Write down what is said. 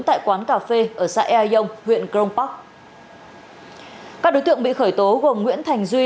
tại quán cà phê ở xã ea dông huyện crong park các đối tượng bị khởi tố gồm nguyễn thành duy